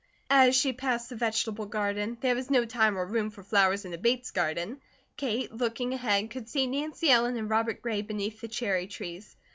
As she passed the vegetable garden there was no time or room for flowers in a Bates garden Kate, looking ahead, could see Nancy Ellen and Robert Gray beneath the cherry trees.